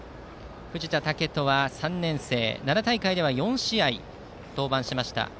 藤田健人は３年生奈良大会では４試合登板しました。